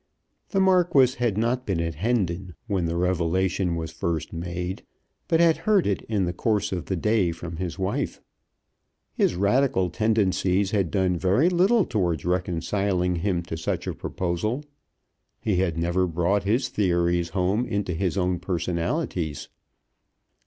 The Marquis had not been at Hendon when the revelation was first made, but had heard it in the course of the day from his wife. His Radical tendencies had done very little towards reconciling him to such a proposal. He had never brought his theories home into his own personalities.